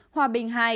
hòa bình hai